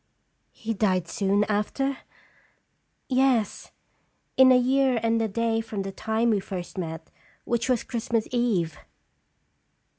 '" "He died soon after?" "Yes; in a year and a day from the time we first met, which was Christmas Eve."